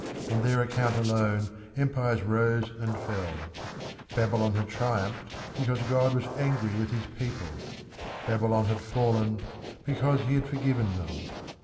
On their account alone empires rose and fell. Babylon had triumphed because God was angry with his people; Babylon had fallen because he had forgiven them.